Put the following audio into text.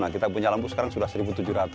kita punya lampu sekarang sudah rp satu tujuh ratus